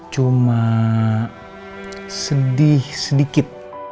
cuma sedih sedikit